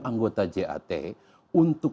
anggota jat untuk